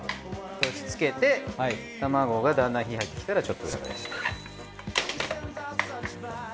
押し付けて卵がだんだん火入ってきたらちょっと裏返して。